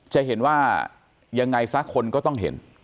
จะเห็นว่ายังไงสักคนก็ต้องเห็น